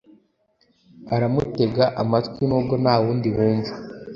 aramutega amatwi nubwo ntawundi wumva